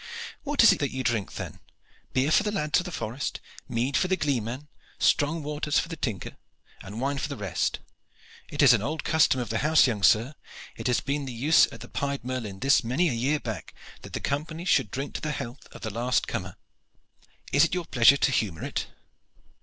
"What is it that you drink, then? Beer for the lads of the forest, mead for the gleeman, strong waters for the tinker, and wine for the rest. It is an old custom of the house, young sir. It has been the use at the 'Pied Merlin' this many a year back that the company should drink to the health of the last comer. Is it your pleasure to humor it?"